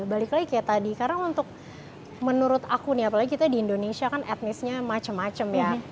balik lagi kayak tadi karena untuk menurut aku nih apalagi kita di indonesia kan etnisnya macem macem ya